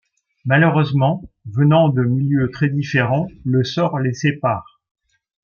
Malheureusement, venant de milieux très différents, le sort les sépare.